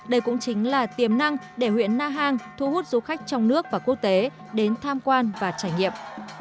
đây cũng chính là tiềm năng để huyện na hàng thu hút du khách trong nước và quốc tế đến tham quan và trải nghiệm